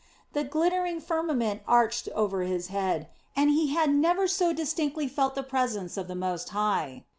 The glittering firmament arched over his head, and he had never so distinctly felt the presence of the Most High.